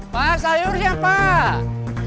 pak sayur ya pak